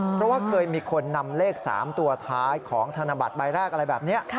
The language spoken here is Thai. เพราะว่าเคยมีคนนำเลข๓ตัวท้ายของธนบัตรใบแรกอะไรแบบนี้